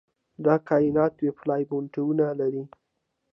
د کائناتي ویب فیلامنټونه لري.